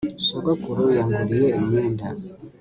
sogokuru yanguriye imyenda